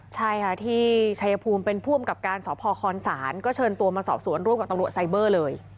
ใช่ค่ะที่ชัยภูมิเป็นผู้อำกับการสพคศก็เชิญตัวมาสอบสวนร่วมกับตำรวจไซเบอร์เลย